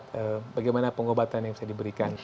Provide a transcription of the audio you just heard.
untuk melihat bagaimana pengobatan yang bisa diberikan